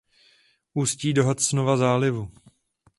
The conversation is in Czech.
Ústí do Hudsonova zálivu.